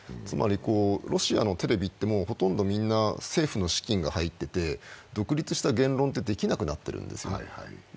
つまりロシアのテレビってほとんどみんな政府の資金が入っていて独立した言論ってできなくなっているんですね。